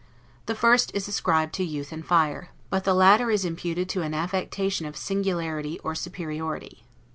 The first is ascribed to youth and fire; but the latter is imputed to an affectation of singularity or superiority.